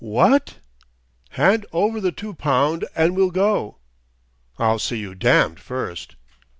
"What...?" "Hand over th' two pound' and we'll go." "I'll see you damned first!"